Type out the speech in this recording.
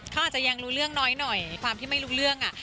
เขาอาจจะยังรู้เรื่องน้อยหน่อยความที่ไม่รู้เรื่อง